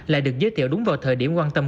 lại được giới thiệu đúng vào thời điểm quan tâm